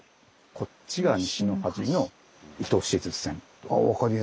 こっちが西の端の糸静線。